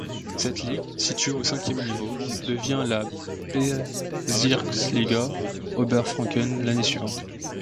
Cette ligue, située au cinquième niveau, devient la Bezirksliga Oberfranken l’année suivante.